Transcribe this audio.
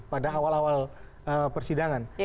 pada awal awal persidangan